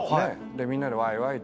でみんなでわいわいと。